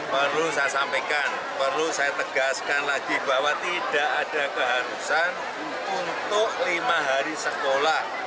perlu saya sampaikan perlu saya tegaskan lagi bahwa tidak ada keharusan untuk lima hari sekolah